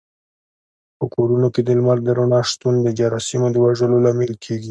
په کورونو کې د لمر د رڼا شتون د جراثیمو د وژلو لامل کېږي.